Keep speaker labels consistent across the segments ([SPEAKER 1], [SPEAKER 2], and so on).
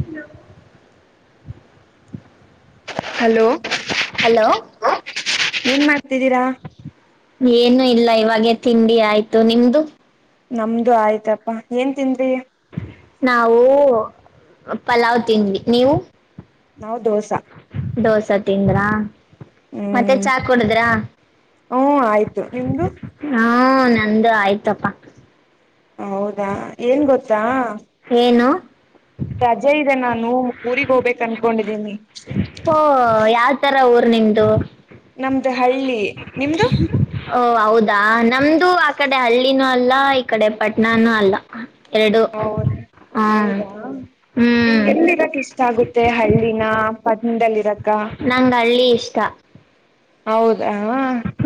[SPEAKER 1] E [unintelligible]
[SPEAKER 2] hello ಏನ್ ಮಾಡ್ತಿದ್ದೀರಾ.
[SPEAKER 1] ಏನು ಇಲ್ಲ ಇವಾಗೆ ತಿಂಡಿ ಆಯ್ತು ನಿಮ್ದು.
[SPEAKER 2] ನಮ್ದು ಆಯ್ತಪ್ಪಾ ಏನ್ ತಿಂದ್ರಿ.
[SPEAKER 1] ನಾವು ಪಲಾವ್ ತಿಂದ್ವಿ ನೀವು.
[SPEAKER 2] ನಾವು ದೋಸಾ.
[SPEAKER 1] ದೋಸಾ ತಿಂದ್ರಾ. ಮತ್ತೆ
[SPEAKER 2] ಹ್ಮ್
[SPEAKER 1] ಚಾ ಕುಡುದ್ರಾ.
[SPEAKER 2] ಹ್ಮ ಆಯ್ತು ನಿಮ್ದು
[SPEAKER 1] ಹ್ಮ್ಮ್ ನಂದು ಆಯ್ತಪ್ಪಾ.
[SPEAKER 2] ಹೌದಾ ಏನ್ ಗೊತ್ತಾ.
[SPEAKER 1] ಏನು.
[SPEAKER 2] ರಜೆ ಇದೆ ನಾನು ಊರಿಗ್ ಹೋಬೆಕ ಅನ್ಕೊಂಡಿದೀನಿ.
[SPEAKER 1] ಓ ಯಾವ ತರ ಊರ್ ನಿಮ್ದು.
[SPEAKER 2] ನಮ್ದ ಹಳ್ಳಿ ನಿಮ್ದು.
[SPEAKER 1] ಓ ಹೌದಾ ನಮ್ದು ಆ ಕಡೆ ಹಳ್ಳಿನೂ ಅಲ್ಲ ಈ ಕಡೆ ಪಟ್ನಾನೂ ಅಲ್ಲ. ಎರಡು
[SPEAKER 2] ಹೌದ
[SPEAKER 1] ಹ್ಮ್
[SPEAKER 2] ಹೌದಾ
[SPEAKER 1] ಹ್ಮ್
[SPEAKER 2] ನಿಮ್ಗೆ ಎಲ್ಲಿ ಇರಕ್ ಇಷ್ ಷ್ಟ ಆಗುತ್ತೆ ಹಳ್ಳಿನ ಪಟ್ನದಲ್ಲಿ ಇರಕ.
[SPEAKER 1] ನಂಗ ಹಳ್ಳಿ ಇಷ್ಟ.
[SPEAKER 2] ಹೌದಾ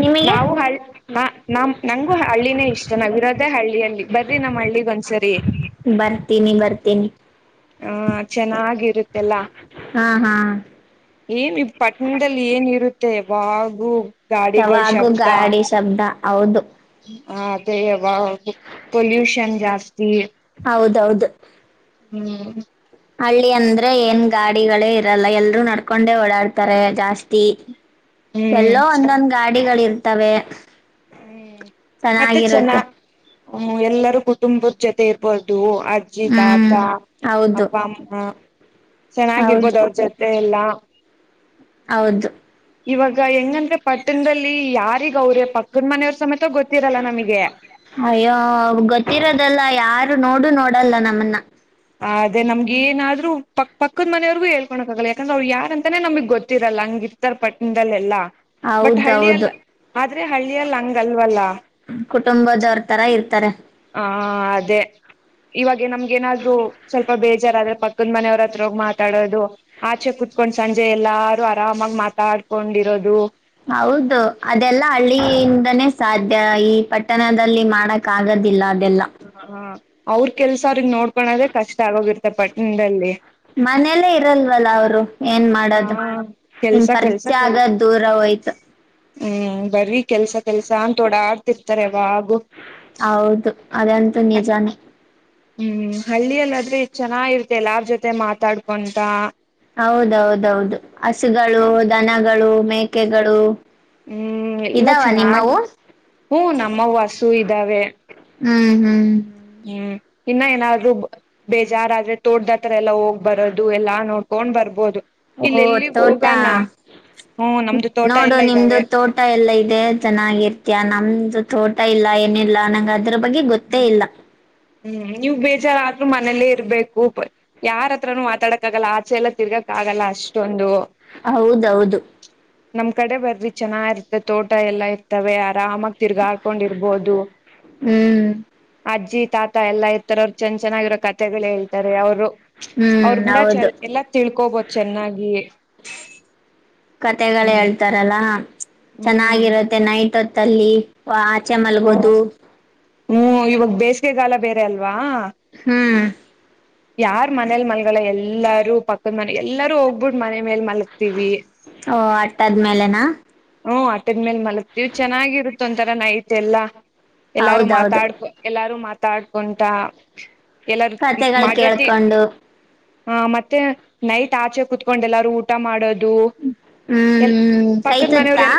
[SPEAKER 1] ನಿಮಗೆ
[SPEAKER 2] ನಾವು ಹಳ ನಾ ನಮ್ ನಂಗೂ ಹಳ್ಳಿನೇ ಇಷ್ಟ ನಾವ್ ಇರೋದೇ ಹಳ್ಳಿ ಹಳ್ಳಿ ಬರ್ರಿ ನಮ್ಮ ಹಳ್ಳಿಗ ಒಂದ್ಸರಿ.
[SPEAKER 1] ಬರ್ತೀನಿ. ಬರ್ತೀನಿ.
[SPEAKER 2] ಹ ಚೆನ್ನಾಗಿರತ್ತೆಲ್ಲ.
[SPEAKER 1] ಹಾಂ ಹಾಂ
[SPEAKER 2] ಏನ್ ಈ ಪಟ್ಟಣದಲ್ಲಿ ಏನ್ ಇರತ್ತೆ ಯಾವಾಗು
[SPEAKER 1] ಯವಾಗೂ ಗಾಡಿ ಶಬ್ದ ಹೌದು.
[SPEAKER 2] ಹ ಅದೇ ಯವ ಪೊಲ್ಯೂಷನ್ ಜಾಸ್ತಿ.
[SPEAKER 1] ಹೌದೌದ.
[SPEAKER 2] ಹ್ಮ.
[SPEAKER 1] ಹಳ್ಳಿ ಅಂದ್ರೆ ಏನ್ ಗಾಡಿಗಳೇ ಇರಲ್ಲ ಎಲ್ರೂ ನಡ್ಕೊಂಡೆ ಓಡಾಡ್ತಾರೆ ಜಾಸ್ ತಿ
[SPEAKER 2] ಹ್ಮ್
[SPEAKER 1] ಎಲ್ಲೋ
[SPEAKER 2] ಹ್ಮ್
[SPEAKER 1] ಒಂದೊಂದ ಗಾಡಿಗಳ ಇರ್ತವೆ.
[SPEAKER 2] ಮತ್ತೆ ಚೆನ್ನ
[SPEAKER 1] ಚೆನ್ನಾಗಿರುತ್ತೆ
[SPEAKER 2] ಎಲ್ಲರೂ ಕುಟುಂಬದ ಜೊತೆ ಇರ್ಬೋದು. ಜಿ
[SPEAKER 1] ಹ್ಮ್
[SPEAKER 2] ತಾತ
[SPEAKER 1] ಹೌದು
[SPEAKER 2] ಅಪ್ಪ ಅಮ್ಮ ಚೆನ್ನಾಗಿರ್ಬೋದ
[SPEAKER 1] ಹೌದು
[SPEAKER 2] ಅವ್ರ ಜೊತೆ ಎಲ್ಲಾ
[SPEAKER 1] ಹೌದು.
[SPEAKER 2] ಇವಾಗ ಹೆಂಗಂದ್ರೆ ಪಟ್ಟಣದಲ್ಲಿ ಯಾರಿಗ ಅವ್ರೆ ಪಕ್ಕದ ಮನೆಯವ್ರ ಸಮೇತ ಗೊತ್ತಿರಲ್ಲ ನಮಗೆ
[SPEAKER 1] ಅಯ್ಯೋ ಗೊತ್ತಿರೋದಲ್ಲ ಯಾರು ನೋಡು ನೋಡಲ್ಲ ನಮ್ಮನ್ನ
[SPEAKER 2] ಅದೇ ನಮ್ಗ ಎನಾದ್ರು ಪಕ್ಕದ ಮನೆಯವರ್ಗೂ ಹೇಳ್ಕೋಕ ಆಗಲ್ಲ ಯಾಕಂದ್ರೆ ಅವ್ರ ಯಾರಂತಾನೇ ನಮ್ಗ ಗೊತ್ತಿರಲ್ಲ ಹಂಗ ಉತ್ತರ ಪಟ್ಟಣದಲ್ಲೆಲ್ಲ ಬಟ್
[SPEAKER 1] ಹೌದೌದು
[SPEAKER 2] ಹಳ್ಳಿಯಲ್ಲಿ ಆದ್ರೆ ಹಳ್ಳಿಯಲ್ಲಿ ಹಂಗಲ್ವಲ್ಲ.
[SPEAKER 1] ಕುಟುಂಬದವರತರ ಇರ್ತಾರೆ.
[SPEAKER 2] ಹಾ ಅದೇ ಇವಾಗ ನಮ್ಗ ಏನಾದ್ರು ಸ್ವಲ್ಪ ಬೇಜಾರಾದ್ರೆ ಪಕ್ಕದ ಮನೆಯವ್ರ ಹತ್ರೋಗ ಮಾತಾಡೋದು. ಆಚೆ ಕುತ್ಕೊಂಡ ಸಂಜೆ ಎಲ್ಲಾರು ಆರಾಮಾಗಿ ಮಾತಾಡ್ಕೊಂಡಿರೋದು.
[SPEAKER 1] ಹೌದು ಅದೆಲ್ಲ ಹಳ್ಳಿಯಿಂದನೇ ಸಾಧ್ಯ ಈ ಪಟ್ಟಣದಲ್ಲಿ ಮಾಡಕ್ ಕಾಗದಿಲ್ಲ ಅದೆಲ್ಲ
[SPEAKER 2] ಹಾ ಅವ್ರ ಕೆಲ್ಸ ಅವ್ರಗ ನೋಡ್ಕೋಳೋದೇ ಕಷ್ಟ ಆಗೋಗಿರ್ತ್ತ ಪಟ್ಟಣದಲ್ಲಿ
[SPEAKER 1] ಮನೆಲ್ಲೇ ಇರಲ್ವಲ್ಲ ಅವರು ಏನ್
[SPEAKER 2] ಹಾ
[SPEAKER 1] ಮಾಡದು ಇನ್
[SPEAKER 2] ಕೆಲ್ಸ
[SPEAKER 1] ಪರಿಚಯ ಆಗದ ದೂರ ಹೋಯ್ತು.
[SPEAKER 2] ಹ್ಮ ಬರಿ ಕೆಲ್ಸ ಕೆಲ್ಸ ಅಂತ ಓಡಾಡ್ತಿರ್ತಾರೆವಾಗು.
[SPEAKER 1] ಹೌದು ಅದಂತೂ ನಿಜಾನೇ.
[SPEAKER 2] ಹ್ಮ ಹಳ್ಳಿಯಲ್ಲಾದ್ರೆ ಚೆನ್ನಾಗಿರತ್ತ ಎಲ್ಲಾರ್ ಜೊತೆ ಮಾತಾಡ್ಕೊಂತ
[SPEAKER 1] ಹೌದೌದೌದ ಹಸುಗಳು ದನಗಳು ಮೇಕೆಗಳು
[SPEAKER 2] ಹ್ಮ ಎಲ್ಲ
[SPEAKER 1] ಇದಾವ
[SPEAKER 2] ಚೆನ್ನಾಗ
[SPEAKER 1] ನಿಮ್ಮವು
[SPEAKER 2] ಹೂ ನಮ್ಮವು ಹಸು ಇದ್ದಾವೆ.
[SPEAKER 1] ಹ್ಮ ಹ್ಮ.
[SPEAKER 2] ಹ್ಮ್ ಇನ್ನ ಏನಾದ್ರು ಬೇಜಾರ್ದ್ರೆ ತೋಡ್ದತ್ರ ಎಲ್ಲಾ ಹೋಗ ಬರೋದು ಎಲ್ಲಾ ನೋಡ್ಕೊಂಡ್ ಬರ್ಬೋದು.
[SPEAKER 1] ಓ
[SPEAKER 2] ಇಲ್ಲ ಎಲ್ಲಿಗ
[SPEAKER 1] ತೋಟ
[SPEAKER 2] ಹೋಗನ ಹ್ಮ ನಮ್ದು ತೋಟ
[SPEAKER 1] ನೋಡು
[SPEAKER 2] ಎಲ್ಲ
[SPEAKER 1] ನಿಮ್ದು ತೋಟ ಎಲ್ಲ ಇದೆ ಚೆನ್ನಾಗಿರ್ತ ನಮ್ದ ತೋಟ ಇಲ್ಲ ಏನಿಲ್ಲ ನಂಗ ಅದ್ರ ಬಗ್ಗೆ ಗೊತ್ತೇ ಇಲ್ಲ.
[SPEAKER 2] ಹ್ಮ ನೀವು ಬೇಜಾರಾದ್ರ ಮನೇಲ್ಲೇ ಇರ್ಬೇಕು. ಯಾರತ್ರನು ಮಾತಾಡಕ್ ಆಗಲ್ಲ ಆಚೆಲ್ಲ ತಿರ್ಗಕ ಆಗಲ್ಲ ಅಷ್ಟೊಂದು.
[SPEAKER 1] ಹೌದೌದು.
[SPEAKER 2] [inaudible] ನಮ್ ಕಡೆ ಬರ್ರಿ ಚೆನ್ನಾಗಿರ್ತ ತೋಟ ಎಲ್ಲಾ ಇರ್ತವೆ ಆರಾಮಾಗ ತಿರ್ಗಾಡ್ಕೊಂಡಿರ್ಬೋದು.
[SPEAKER 1] ಹ್ಮ.
[SPEAKER 2] ಅಜ್ಜಿ ತಾತ ಎಲ್ಲಾ ಇರ್ತಾರ ಅವ್ರು ಚೆ ಚೆನ್ನಾಗಿರೋ ಕತೆೆಗಳು ಹೇಳ್ತಾರೆ ಅವರು
[SPEAKER 1] ಹ್ಮ್
[SPEAKER 2] ಅವ್ರ ಮುಂದ ಚ
[SPEAKER 1] ಹೌದು
[SPEAKER 2] ಎಲ್ಲಾ ತಿಳ್ಕೋಬೋದು ಚೆನ್ನಾಗಿ
[SPEAKER 1] ಕತೆಗಳು
[SPEAKER 2] ಹ್ಮ್
[SPEAKER 1] ಹೇಳ್ತಾರಲ್ಲ
[SPEAKER 2] ಹ್ಮ್
[SPEAKER 1] ಚೆನ್ನಾಗಿರುತ್ತೆ ನೈಟ್ ಹೊತ್ತಲ್ಲಿ ವ ಚಮಲ್ಗೋದು
[SPEAKER 2] ಹ್ಮ್ ಇವಾಗ ಬೇಸಿಗೆಗಾಲ ಬೇರೆ ಅಲ್ವಾ
[SPEAKER 1] ಹ್ಮ್
[SPEAKER 2] ಯಾರ್ ಮನೇಲ್ ಮಲ್ಗಲ್ಲ ಎಲ್ಲಾರೂ ಪಕ್ಕದ ಮನೆ ಎಲ್ಲಾರೂ ಹೋಗ್ಬಿಟ್ಟ ಮನೆ ಮೇಲ್ ಮಲಗತಿವಿ
[SPEAKER 1] ಓ ಅಟ್ ದಆದ್ಮೇಲೆನಾ
[SPEAKER 2] ಹ್ಮ್ ಅಟದ್ಮೇಲ್ ಮಲ ಇವು ಚೆನ್ನಾಗಿರುತ್ತ ಒಂಥರಾ ನೈಟ್ ಎಲ್ಲಾ ಎಲ್ಲಾರು
[SPEAKER 1] ಹೌದೌದು
[SPEAKER 2] ಮಾತಾಡ್ಕೊ ಎಲ್ಲಾರು ಮಾತ ಮಾತಾ ಆಡ್ಕೊಟ ಎಲ್ಲಾರ
[SPEAKER 1] ಕತೆಗಳು
[SPEAKER 2] ಮಾಡಿರತಿ
[SPEAKER 1] ಕೇಳ್ಕೊಂಡು
[SPEAKER 2] ಹ ಮತ್ತೆ ನೈಟ್ ಆಚೆ ಕುೂತ್ಕೊಂಡು ಎಲ್ಲಾರು ಊಟ ಮಾಡೋದು ಎಲ್
[SPEAKER 1] ಹ್ಮ್
[SPEAKER 2] ಪಕ್ಕದ
[SPEAKER 1] ಕೈತುತ್ತಾ
[SPEAKER 2] ಮನೆಯವ್ರಲ್ಲ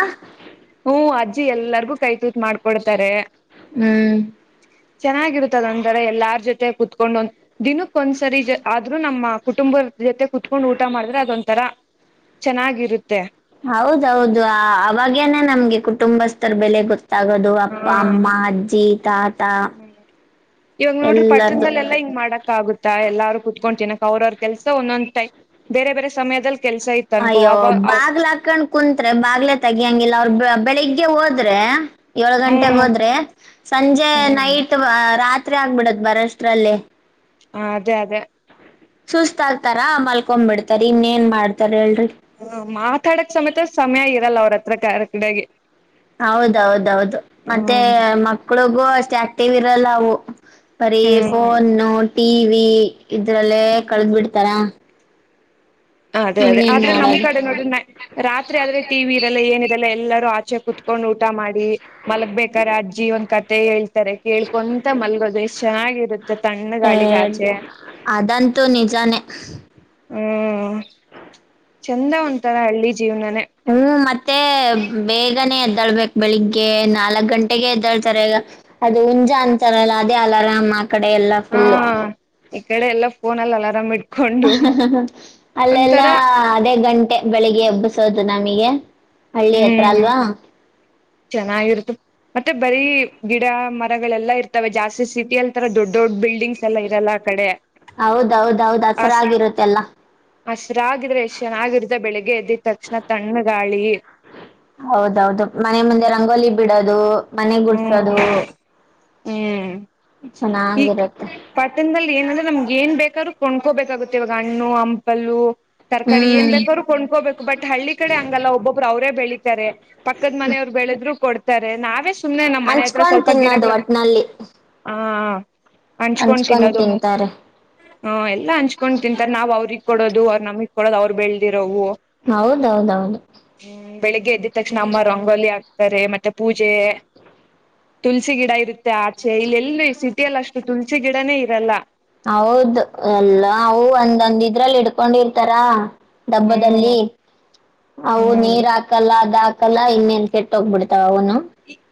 [SPEAKER 2] ಹ್ಮ ಅಜ್ಜಿ ಎಲ್ಲಾರ್ಗು ಕೈ ತೂತ್ ಮಾಡ್ಕೊಡ್ತಾರೆ
[SPEAKER 1] ಹ್ಮ್
[SPEAKER 2] ಚೆನ್ನಾಗಿರ್ತದ ಅಂದರೆ ಎಲ್ಲಾರ ಜೊತೆ ಕುೂತ್ಕೊಂಡ್ ಒಂದ್ ದಿನಕ್ಕ ಒಂದ್ಸರಿ ಆದ್ರೂ ನಮ್ಮ ಕುಟುಂಬ ಜೊತೆ ಕುತ್ಕೊಂಡ್ ಊಟ ಮಾಡಿದ್ರೆ ಅದೊಂತರಾ ಚೆನ್ನಾಗಿರುತ್ತೆ
[SPEAKER 1] ಹೌದೌದು ಅವಾಗೇನೆ ನಮ್ಗೆ ಕುಟುಂಬಸ್ಥರ್ ಬೆಲೆ ಗೊತ್ತಾಗೋದು ದು ಅಪ್ಪ ಅಮ್ಮ ಅಜ್ಜಿ ತಾತ
[SPEAKER 2] ಇವಾಗ ನೋಡ್ರಿ
[SPEAKER 1] ಎಲ್ಲಾದ್ರೂ
[SPEAKER 2] ಪಟ್ಟಣದಲ್ಲೆಲ್ಲಾ ಹಿಂಗ್ ಮಾಡಕ್ ಆಗುತ್ತಾ ಎಲ್ಲಾರೂ ಕುೂತ್ಕೊಂಡ್ ತಿನಕ್ ಅವ್ರ ಅವ್ರ ಕೆಲಸ ಒಂದೊಂದ ಬೇರೆ ಬೇರೆ ಸಮಯದಲ್ಲಿ ಕೆಲಸ ಇತ್ತು ಅನ್ಕೋ
[SPEAKER 1] ಅಯ್ಯೋ
[SPEAKER 2] ಅವ
[SPEAKER 1] ಬಾಗ್ಲ ಹಾಕಂಡ ಕುಂತ್ರೆ ಬಾಗ್ಲೆೇ ತೆಗಿಯಂಗಿಲ್ಲ ಅವ್ರ ಬೆಳಿಗ್ಗೆ ಹೋದ್ರೆ ಏಳ್ ಗಂಟೆಗ್
[SPEAKER 2] ಹ್ಮ್
[SPEAKER 1] ಹೋದ್ರೆ ಸಂಜೆ ನೈಟ್ ರಾತ್ರಿ ಆಗ್ಬಿಡದ ಬರಷ್ಟ್ರಲ್ಲಿ
[SPEAKER 2] ಹ ಅದೇ ಅದೇ
[SPEAKER 1] ಸುಸ್ತಾತಾರ ಮಲ್ಕೊ ಬಿಡ್ತಾರ ಇನ್ನ ಏನ್ ಮಾಡ್ತಾರ ಹೇಳ್ರಿ
[SPEAKER 2] ಹ್ಮ ಮಾತಾಡಕೆ ಸಮೇತ ಸಮಯ ಇರಲ್ಲ ಅವ್ರ ಹತ್ರ ಕಡೆಗೆ
[SPEAKER 1] ಹೌದೌದೌದು ಮತ್ತೆ ಮಕ್ಳಿಗೂ ಅಷ್ಟೇ ಆಕ್ಟಿವ್ ಇರಲ್ಲ ಅವು ಬರಿ
[SPEAKER 2] ಹ್ಮ
[SPEAKER 1] ಫೋನ್ ಟಿ ವಿ ಇದ್ರಲ್ಲೇ ಕಳದ್ ಬಿಡ್ತಾರ
[SPEAKER 2] ಅದೇ ಅದೇ
[SPEAKER 1] ಇನ್ನೇನ್
[SPEAKER 2] ಆದ್ರೆ ನಮ್
[SPEAKER 1] ಮಾಡೋದು
[SPEAKER 2] ಕಡೆ ನೋಡಿರ ರಾತ್ರಿ ಆದ್ರೆ ಟಿ ವಿ ಇರಲ್ಲ ಏನ ಇದೆಲ್ಲ ಎಲ್ಲರೂ ಆಚೆ ಕುೂತ್ಕೊಂಡ್ ಊಟ ಮಾಡಿ ಮಲಗ್ಬೇಕಾದಾರೆ ಅಜ್ಜಿ ಒಂದ್ ಕತೆ ಹೇಳ್ತಾರೆ ಕೇಳ್ಕೊಂತ ಮಲ್ಗೋ ಎಷ್ಟು ಚೆನ್ನಾಗಿ
[SPEAKER 1] ಹ ಅದಂತಂತು ನಿಜಾನೆ
[SPEAKER 2] ಹ್ಮ್ ಚಂದ ಒಂತರಾ ಹಳ್ಳಿ ಜೀವ್ನನೇ
[SPEAKER 1] ಹ್ಮ್ ಮತ್ತೆ ಬೇಗನೆೇ ಎದ್ದಾಳ್ಬೇಕ್ ಬೆಳಿಗ್ಗೆ ನಾಲ್ಕ್ ಗಂಟೆಗೆ ಎದ್ದಾಳ್ತಾರೆ ಈಗ ಅದು ಹುಂಜಾ ಅಂತಾರಲ್ಲ ಅದೇ ಅಲಾರಾಮ್ ಆ ಕಡೆ ಎಲ್ಲಾ
[SPEAKER 2] ಹಾ
[SPEAKER 1] ಫುಲ್ಲು
[SPEAKER 2] ಈ ಕಡೆ ಎಲ್ಲಫೋನ ಅಲ್ಲಿ ಅಲಾರಾಮ್ ಇಡ್
[SPEAKER 1] ಅಲ್ಲೆಲ್ಲ ಅದೇ ಗಂಟೆ ಬೆಳಿಗ್ಗೆ ಎಬ್ಬಿಸೋದು ನಮಗೆ ಹಳ್ಳಿ ಹತ್ರ
[SPEAKER 2] ಹ್ಮ್
[SPEAKER 1] ಅಲ್ವಾ
[SPEAKER 2] ಚೆನ್ನಾಗಿರುತ್ತೆ ಮತ್ತೆ ಬರೀ ಗಿಡ ಮರಗಳೆಲ್ಲಾ ಇರ್ತವೆ ಜಾಸ್ತಿ ಸೀಟೀ ಅಲ್ಲಿ ತರ ದೊಡ್ಡ ದೊಡ್ಡ ಬಿಲ್ ಎಲ್ಲ ಇರಲ್ಲ ಆ ಕಡೆ
[SPEAKER 1] ಹೌದೌದೌದು ಹಸರಾಗಿರುತ್ತೆಲ್ಲ
[SPEAKER 2] ಹಸರಾಗಿದ್ರೆ ಎಷ್ಟ್ ಚೆನ್ನಾಗಿರುತ್ತ ಬೆಳಿಗ್ಗೆ ಎದ್ದಿದ ತಕ್ಷಣ ತಣ್ಣ ಗಾಳಿ
[SPEAKER 1] ಹೌದೌದು ಮನೆ ಮುಂದೆ ರಂಗೋಲಿ ಬಿಡೋದು ಮನೆ
[SPEAKER 2] ಹ್ಮ್
[SPEAKER 1] ಗುಡ್ಸೋದು
[SPEAKER 2] ಹ್ಮ್ ಈ
[SPEAKER 1] ಚೆನ್ನಾಗಿರುತ್ತೆ
[SPEAKER 2] ಪಟ್ಟಣದಲ್ಲಿ ಏನಂದ್ರೆ ನಮ್ಗೆ ಏನ್ ಬೇಕಾದ್ರೂ ಕೊಂಡ್ಕೋಬೇಕಾಗುತ್ತೆ ಇವಾಗ ಹಣ್ಣು ಹಂಪಲು ತರಕಾರಿ ಏನ್
[SPEAKER 1] ಹ್ಮ್
[SPEAKER 2] ಬೇಕ ಅವ್ರು ಕೊಂಡ್ಕೋಬೇಕು ಬಟ್ ಹಳ್ಳಿ ಕಡೆ ಹಂಗಲ್ಲ ಒಬ್ಬೊಬ್ರು ಅವ್ರೇ ಬೆಳೀತಾರೆ ಪಕ್ಕದ ಮನೆಯವ್ರು ಬೆಳೆದ್ರು ಕೊಡ್ತಾರೆ ನಾವೇ ಸುಮ್ನೆ ನಮ್ಮ್ ಮನೆ ಹತ್ರ
[SPEAKER 1] ಹಂಚ್ಕೊಂಡ್
[SPEAKER 2] ಸ್ವಲ್ಪ
[SPEAKER 1] ತಿನ್ನೋದು
[SPEAKER 2] ಗಿಡಗಳು
[SPEAKER 1] ಒಟ್ನಲ್ಲಿ
[SPEAKER 2] ಹಾ ಹಂಚ್ಕೊಂಡ್ ತಿನ್ನೋದು. ಹಾ ಎಲ್ಲಾ ಹಂಚ್ಕೊಂಡ್ ತಿಂತಾರೆ ನಾವ್ ಅವ್ರಿಗ್ ಕೊಡೋದು ಅವ್ರು ನಮಿಗ್ ಕೊಡೋದು ಅವ್ರು ಬೆಳೆದಿರೋವು
[SPEAKER 1] ಹೌದೌದೌದೌದ
[SPEAKER 2] ಹ್ಮ್ ಬೆಳಿಗ್ಗೆ ಎದ್ದಿದ ತಕ್ಷಣ ಅಮ್ಮ ರಂಗೋಲಿ ಹಾಕ್ತಾರೆ ಮತ್ತೆ ಪೂಜೆ ತುಳಸಿ ಗಿಡ ಇರುತ್ತೆ ಆಚೆ ಇಲ್ಲೆಲ್ಲೂ ಸಿಟಿಯಲ್ಲಿ ಅಷ್ಟು ತುಲ್ಸಿ ಗಿಡನೇ ಇರಲ್ಲ
[SPEAKER 1] ಹೌದ ಎಲ್ಲಾ ಅವು ಒಂದೊಂದ ಇದ್ರಲ್ಲಿ ಇಡ್ಕೊಂಡಿರ್ತಾರಾ
[SPEAKER 2] ಹ್ಮ್
[SPEAKER 1] ಡಬ್ಬದಲ್ಲೀ ಅವು
[SPEAKER 2] ಹ್ಮ್
[SPEAKER 1] ನೀರ್ ಹಾಕಲ್ಲ ಅದ ಹಾಕಲ್ಲ ಇನ್ನೇನ್ ಕೆಟ್ಟ ಹೋಗ್ಬಿಡ್ತಾವ ಅವುನು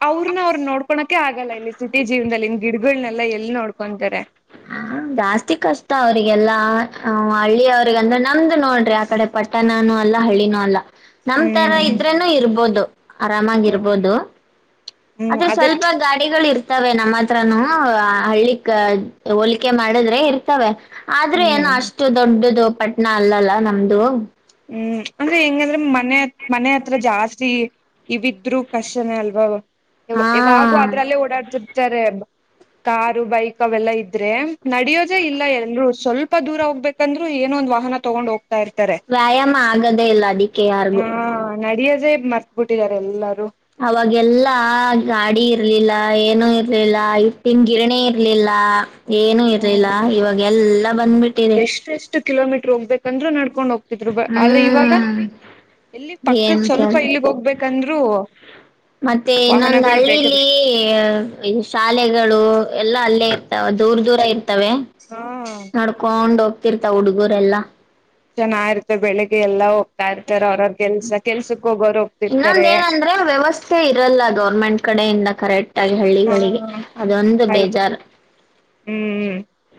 [SPEAKER 2] ಅವ್ರನ ಅವ್ರು ನೋಡ್ಕೋಳಕೆ ಆಗಲ್ಲ ಇಲ್ಲಿ ಸಿಟಿ ಜೀವನದಲ್ಲಿನ್ ಇನ್ ಗಿಡಗಳ್ನೆಲ್ಲ ಎಲ್ಲಿ ನೋಡ್ಕೊತಾರೆ
[SPEAKER 1] ಹಾ ಜಾಸ್ತಿ ಕಷ್ಟ ಅವ್ರರಿಗೆಲ್ಲಾ ಹು ಹಳ್ಳಿಅವ ಈಗ ಅಂದ್ರೆ ನಮ್ದು ನೋಡ್ರಿ ಆ ಕಡೆ ಪಟ್ಟಣನೂ ಅಲ್ಲ ಹಳ್ಳಿನೂ ಅಲ್ಲ ನಮ್ ತರಾ
[SPEAKER 2] ಹ್ಮ್
[SPEAKER 1] ಇದ್ರೇನು ಇರ್ಬೋದು ಆರಾಮಾಗಿರ್ಬೋದು
[SPEAKER 2] ಹ್ಮ್
[SPEAKER 1] ಆದ್ರೆ
[SPEAKER 2] ಅದೇ
[SPEAKER 1] ಸ್ವಲ್ಪ ಗಾಡಿ ಗಾಡಿಗಳು ಇರ್ತವೆ ನಮ್ಮ್ ಹತ್ರಾನು ಹಳ್ಳಿಕ್ ಹೋಲಿಕೆ ಮಾಡಿದ್ರೆ ಇರ್ತವೆ ಆದ್ರೂ
[SPEAKER 2] ಹ್ಮ್
[SPEAKER 1] ಏನೋ ಅಷ್ಟು ದೊಡ್ಡದು ಪಟ್ಣ ಅಲ್ಲಲ್ಲ ನಮ್ದು
[SPEAKER 2] ಹ್ಮ್ ಅಂದ್ರೆ ಹೆಂಗಂದ್ರ ಮನೆ ಮನೆ ಹತ್ರ ಜಾಸ್ತಿ ಇವಿದ್ರು ಕಷ್ಟನ ಅಲ್ವಾ [unintelligible] ಯಾವ
[SPEAKER 1] ಹಾ
[SPEAKER 2] ಯಾವಾಗು ಅದ್ರಲ್ಲೇ ಓಡಾಡ್ತಿರ್ತಾರೆ ಕಾರು ಬೈಕ್ ಅವೆಲ್ಲ ಇದ್ರೇ ನಡಿಯೋದೇ ಇಲ್ಲ ಎಲ್ರರೂ ಸ್ವಲ್ಪ ದೂರ ಹೋಗ್ಬೇಕಂದ್ರು ಏನೊ ಒಂದ ವಾಹನ ತಗೊಂಡ್ ಹೋಗ್ತಾ ಇರ್ತಾರೆ
[SPEAKER 1] ವ್ಯಾಯಾಮ ಆಗದೇ ಇಲ್ಲ ಅದಿಕ್ಕೆ
[SPEAKER 2] ಹಾ
[SPEAKER 1] ಯಾರಿಗೂ
[SPEAKER 2] ನಡಿಯೂದೇ ಮರ್ತ್ಬಿಟ್ಟಿದ್ದಾರೆ ಎಲ್ಲಾರೂ
[SPEAKER 1] ಅವಾಗೆಲ್ಲಾ ಗಾಡಿ ಇರ್ಲಿಲ್ಲ ಏನೂ ಇರ್ಲಿಲ್ಲ ಹಿಟ್ಟನ್ ಗಿರಣಿ ಇರ ಇರ್ಲಿಲ್ಲ ಏನೂ ಇರ್ಲಿಲ್ಲಾ
[SPEAKER 2] ಹ್ಮ್
[SPEAKER 1] ಇವಾಗ ಎಲ್ಲಾ ಬಂದ್ಬಿಟ್ಟಿದೆ.
[SPEAKER 2] ಎಷ್ಟು ಕಿಲೋಮೀಟರ್ ಹೋಗ್ಬೇಕಂದ್ರೂ ನಡ್ಕೊಂಡ್ ಹೋಗ್ತಿದ್ರು ಬ ಆದ್ರೆ ಇವಾಗ
[SPEAKER 1] ಹ್ಮ್
[SPEAKER 2] ಎಲ್ಲಿ ಪಕ್ಕದ
[SPEAKER 1] ಏನ್
[SPEAKER 2] ಸ್ವಲ್ಪ
[SPEAKER 1] ಕೇಳ್ದ
[SPEAKER 2] ಇಲ್ಲಿಗ್ ಹೋಗ್ಬೇಕಂದ್ರೂ
[SPEAKER 1] ಮತ್ತೆ ಇನ್ನೊಂದು ಹಳ್ಳಿಲೀ ಈ ಶಾಲೆಗಳು ಎಲ್ಲಾ ಅಲ್ಲೇ ಇರ್ತಾವೆ ದೂರ ದೂರ ಇರ್ತವೆ
[SPEAKER 2] ಹಾ.
[SPEAKER 1] ನಡ್ಕೊಂಡ್ ಹೋಗ್ತಿರ್ತಾವ ಹುಡುಗುರೆಲ್ಲಾ
[SPEAKER 2] ಚೆನ್ನಾಗಿರುತೆ ಬೆಳಿಗ್ಗೆ ಎಲ್ಲಾ ಹೋಗ್ತಾ ಇರ್ತಾರೆ ಅವ್ರ ಅವ್ರ ಕೆಲ್ಸ ಕೆಲ್ಸಕ್ ಹೋಗೋರ್ ಹೋಗ್ತಿರ್ತಾರೆ
[SPEAKER 1] [unintelligible] ವ್ಯವಸ್ಥೆ ವ್ಯವಸ್ಥೆ ಇರಲ್ಲ ಗೌರ್ಮೆಂಟ್ ಕಡೆಯಿಂದ ಕರೆಕ್ಟ್ ಆಗಿ
[SPEAKER 2] ಹಾ
[SPEAKER 1] ಹಳ್ಳಿಗಳಿಗೆ ಅದೊಂದು ಬೇಜಾರ್
[SPEAKER 2] ಹ್ಮ್ ಹ್ಮ್ ಹುಂ.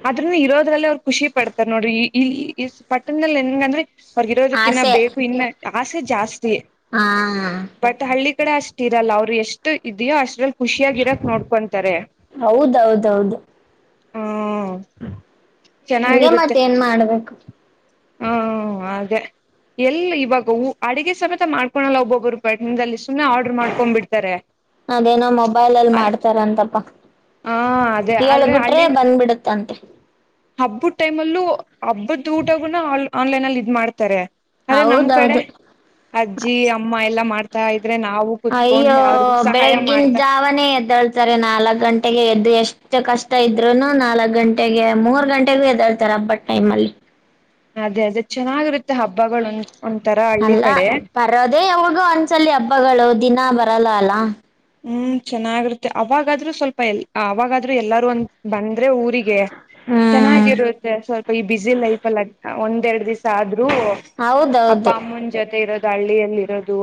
[SPEAKER 2] ಅದ್ರನೂ ಇರೋದ್ರಲ್ಲಿ ಅವ್ರು ಖುಷಿ ಪಡ್ತಾರ ನೋಡ್ರಿ ಈ ಈ ಪಟ್ಟಣದಲ್ಲಿ ಹೆಂಗ ಅಂದ್ರೆ ಅವ್ರಗಿರೋದಕ್ಕಿನ್ನ
[SPEAKER 1] ಆಸೆ
[SPEAKER 2] ಬೇಕು ಇನ್ನ ಆಸೆ ಜಾಸ್ತಿ
[SPEAKER 1] ಹ್ಮಾ ಆ ಆ.
[SPEAKER 2] ಬಟ್ ಹಳ್ಳಿ ಕಡೆ ಅಷ್ಟ ಇರಲ್ಲ ಅವ್ರು ಎಷ್ಟು ಇದೆಯೋ ಅಷ್ಟ್ರಲ್ಲಿ ಖುಷಿಯಾಗಿ ಇರಕ್ ನೋಡ್ಕೊಂತಾರೆ
[SPEAKER 1] ಹೌದದೌದೌದ.
[SPEAKER 2] ಹ್ಮೂ
[SPEAKER 1] ಹಂಗೆ ಮತ್
[SPEAKER 2] ಚೆನ್ನಾಗಿರುತ್ತೆ
[SPEAKER 1] ಏನ್ ಮಾಡ್ಬೇಕು
[SPEAKER 2] ಹ್ಮೂ ಅದೇ ಎಲ್ಲಿ ಇವಾಗ ಊ ಅಡುಗೆ ಸಮೇತ ಮಾಡ್ಕೊಳಲ್ಲ ಒಬ್ಬೊಬ್ಬರು ಪಟ್ಟದಲ್ಲಿ ಸುಮ್ಮ್ನೆ ಆರ್ಡರ್ ಮಾಡ್ಕೊಂಡ್ ಬಿಡ್ತಾರೆ
[SPEAKER 1] ಅದೇನೋ ಮೊಬೈಲ್ ಲ್ಲಿ ಮಾಡ್ತಾರಂತಪ್ಪ [inaudible]
[SPEAKER 2] ಅದೇ
[SPEAKER 1] ಹೆಳ್ಬಿಟ್
[SPEAKER 2] ಆದ್ರೆ
[SPEAKER 1] ಹೆಳ್ಬಿಟ್ರೆ ಬಂದ್ಬ ಬಿಡುತ್ತಂತೆ.
[SPEAKER 2] ಹಬ್ಬದ್ ಟೈಮ್ ಅಲ್ಲೂ ಹಬ್ಬದ ಊಟಗೂನ ಆಲ್ ಆನ್ಲೈನ್ ಅಲ್ಲಿ ಇದ್ ಮಾಡ್ತಾರೆ ಅದೇ ನಮ್ ಕಡೆ
[SPEAKER 1] ಹೌದೌದ್.
[SPEAKER 2] ಅಜ್ಜಿ ಅಮ್ಮ ಎಲ್ಲಾ ಮಾಡ್ತಾ ಇದ್ರೆ ನಾವು ಕೂತ್ಕೊಂಡ್ ಅವ್ರಿಗೆ ಸಹಾಯ ಮಾಡ್ತಾ
[SPEAKER 1] ಗನೆ ಎದ್ದಳ್ತಾರೆ ನಾಲ್ಕು ಗಂಟೆಗೆ ಎದ್ದು ಎಷ್ಟೇ ಕಷ್ಟ ಇದ್ರುನು ನಾಲ್ಕು ಗಂಟೆ ಟೆಗೆ ಮೂರು ಗಂಟೆಗೂ ಹೆದೆಳ್ತಾರೆ ಹಬ್ಬದ ಟೈಮ್ ಅಲ್ಲಿ
[SPEAKER 2] ಅದೇ ಅದೇ ಚೆನ್ನಾಗಿರುತ್ತೆ ಹಬ್ಬಗಳ ಒಂದ್ ಒಂತರಾ
[SPEAKER 1] ಅಲ್ಲ ಬರೋದೆೇ ಯಾವಗ ಒಂದ್ಸಲಿ ಹಬ್ಬಗಳು ದಿನ ಬರಲ್ಲ ಅಲ್ಲಾ
[SPEAKER 2] ಹ್ಮ್ ಚೆನ್ನಾಗಿರುತ್ತೆ ಅವಾಗಾದ್ರೂ ಸ್ವಲ್ಪ ಎ ಅವಾಗಾದ್ರೂ ಎಲ್ಲಾರೂ ಒಂದ್ ಬಂದ್ರೆ ಊರಿಗೆ
[SPEAKER 1] ಹ್ಮ್
[SPEAKER 2] ಚೆನ್ನಾಗಿರುತ್ತೆ ಸ್ವಲ್ಪ ಈ ಬಿಜಿ ಲೈಫಲ್ ಒಂದೆರಡ್ ದಿವಸ್ ಆದ್ರೂ ಅಪ್ಪ
[SPEAKER 1] ಹೌದೌದು
[SPEAKER 2] ಅಮ್ಮನ ಜೊತೆ ಇರೋದು ಹಳ್ಳಿಯಲ್ಲಿ ಇರೋದು.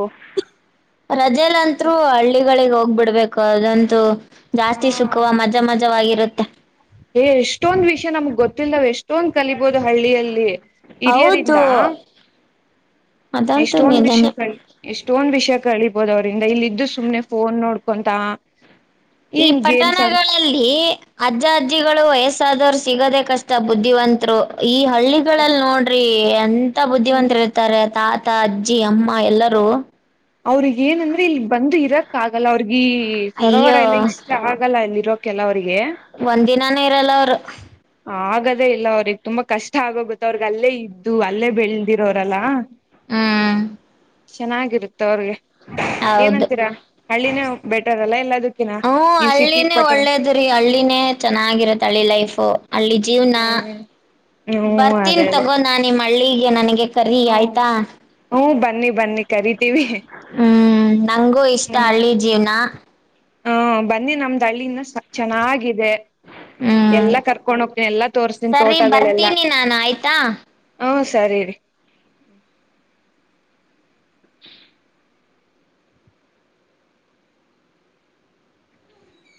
[SPEAKER 1] ರಜೆಲ್ಲಂತ್ರೂ ಹಳ್ಳಿಗಳಿಗೆ ಹೋಗ್ಬಿಡ್ಬೇಕು ಅದಂತೂ. ಜಾಸ್ತಿ
[SPEAKER 2] ಹಾ
[SPEAKER 1] ಸುಖುವ ಮಜಾ ಮಜವಾಗಿರುತ್ತೆ.
[SPEAKER 2] ಏ ಎಷ್ಟೊಂದ್ ವಿಷಯ ನಮ್ಗ್ ಗೊತ್ತಿಲ್ಲದವ್ ಎಷ್ಟೊಂದ್ ಕಲಿಬೋದು ಹಳ್ಳಿಯಲ್ಲಿ.
[SPEAKER 1] ಹೌದು
[SPEAKER 2] ಹಿರಿಯರಿಂದ
[SPEAKER 1] ಅದಂತೂ
[SPEAKER 2] ಎಷ್ಟೊಂದು ವಿಷಯ
[SPEAKER 1] ನಿಜಾನೇ
[SPEAKER 2] ಕಳಿ ಎಷ್ಟೊಂದು ವಿಷಯ ಕಳಿಬೋದು ಅವರಿಂದ ಇಲ್ಲಿದ್ದು ಸುಮ್ಮನೆ ಪೋನ್ ನೋಡ್ಕೊಂತ.
[SPEAKER 1] ಈ
[SPEAKER 2] ಏನ್ ಗೇಮ್ಸ್ ಆಡ್
[SPEAKER 1] ಪಟ್ಟಣಗಳಲ್ಲಿ ಅಜ್ಜ ಅಜ್ಜಿಗಳು ವಯಸ್ಸಾದವರು ಸಿಗೋದೆ ಕಷ್ಟ ಬುದ್ಧಿವಂತರು ಈ ಹಳ್ಳಿ ಗಳಲ್ಲಿ ನೋಡ್ರಿ ಎಂತ
[SPEAKER 2] ಹ್ಮ್
[SPEAKER 1] ಬುದ್ಧಿವಂತ ಇರ್ತಾರೆ ತಾತ ಅಜ್ಜಿ ಅಮ್ಮ ಎಲ್ಲರೂ.
[SPEAKER 2] ಅವ್ರಿಗೆ ಏನಂದ್ರೆ ಇಲ್ಲಿ ಬಂದು ಇರಕ್ ಆಗಲ್ಲ ಅವ್ರಗೀ ಸರೋವರ
[SPEAKER 1] ಅಯ್ಯೋ
[SPEAKER 2] ಎಲ್ಲ ಇಷ್ಟ ಆಗಲ್ಲ ಇಲ್ಲಿ ಇರೋಕ್ ಕೆಲವರಿಗೆ
[SPEAKER 1] ಒಂದು ದಿನಾನೂ ಇರಲ್ಲ ಅವರು.
[SPEAKER 2] ಆಗದೇ ಇಲ್ಲ ಅವ್ರಿಗೆ ತುಂಬಾ ಕಷ್ಟ ಆಗ ಗೊತ್ತ ಅವ್ರಿಗೆ ಅಲ್ಲೇ ಇದ್ದು ಅಲ್ಲೇ ಬೆಳದಿರೋರಲ್ಲ.
[SPEAKER 1] ಹ್ಮ್
[SPEAKER 2] ಚೆನ್ನಾಗಿರುತ್ತೆ ಅವ್ರಿಗೆ
[SPEAKER 1] ಹೌದು
[SPEAKER 2] ಏನಂತೀರಾ ಹಳ್ಳಿನೇ ಬೆಟರ್ ಅಲ್ಲ ಎಲ್ಲದ್ ಕಿನಾ ಈವ ಸಿಟಿ ಪಟನ್
[SPEAKER 1] ಬರೀ ಹಳ್ಳಿನೇ ಚೆನ್ನಾಗಿರತ್ತೆ ಹಳ್ಳಿ ಲೈಫು ಹಳ್ಳಿ ಜೀವನ
[SPEAKER 2] ಹ್ಮ್ ಹ್ಮ
[SPEAKER 1] ಬರ್ತೀನಿ
[SPEAKER 2] ಅದೇ ಅದೇ
[SPEAKER 1] ತಗೋ ನಾ ನಿಮ್ಮ ಹಳ್ಳಿಗೆ ನನಿಗೆ ಕರಿ ಆಯ್ತಾ.
[SPEAKER 2] ಹ್ಮ್ ಹ್ಮ್ ಬನ್ನಿ ಬನ್ನಿ ಕರಿತೀವಿ.
[SPEAKER 1] ಹ್ಮ್ ನಂಗೂ ಇಷ್ಟ ಹಳ್ಳಿ ಜೀವನ
[SPEAKER 2] ಹ್ಮ್ ಬನ್ನಿ ನಮ್ದು ಹಳ್ಳಿ ಇನ್ನ ಚೆನ್ನಾಗಿದೆ.
[SPEAKER 1] ಹ್ಮ್
[SPEAKER 2] ಎಲ್ಲಾ ಕರ್ಕೊಂಡ್ ಹೋಗ್ತೊನಿ ಎಲ್ಲಾ ತೋರ್ಸ್ತನಿ
[SPEAKER 1] ಸರಿ
[SPEAKER 2] ತೋಟಗಳೆಲ್ಲ.
[SPEAKER 1] ಬರ್ತೀನಿ ನಾನು ಆಯ್ತಾ.
[SPEAKER 2] ಹ್ಮ್ ಸರಿ ರೀ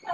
[SPEAKER 1] ಹ